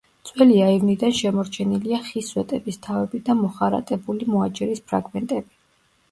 ძველი აივნიდან შემორჩენილია ხის სვეტების თავები და მოხარატებული მოაჯირის ფრაგმენტები.